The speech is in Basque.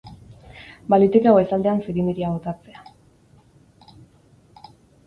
Baliteke goizaldean zirimiria botatzea.